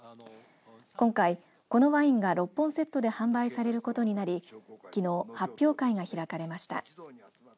今回、このワインが６本セットで販売されることになりきのう、発表会が開かれました。